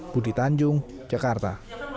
budi tanjung jakarta